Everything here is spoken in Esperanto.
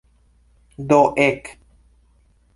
Do ek!